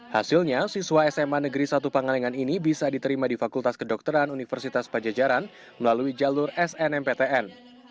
hasilnya siswa sma negeri satu pangalengan ini bisa diterima di fakultas kedokteran universitas pajajaran melalui jalur snmptn